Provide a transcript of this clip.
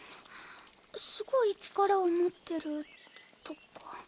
すごい力を持ってるとか。